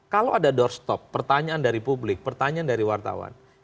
kalau ada doorstop pertanyaan dari publik pertanyaan dari wartawan